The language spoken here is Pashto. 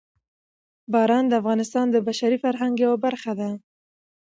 باران د افغانستان د بشري فرهنګ یوه برخه ده.